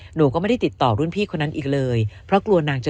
หนูก็ไม่ได้ติดต่อรุ่นพี่คนนั้นอีกเลยเพราะกลัวนางจะ